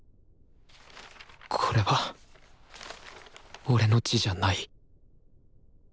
これは俺の字じゃない